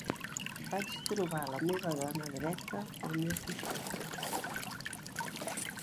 Vaig trobar la meva dona dreta al meu costat